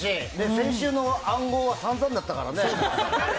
先週の暗号は散々だったからね。